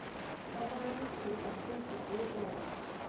黄毛鼹属等之数种哺乳动物。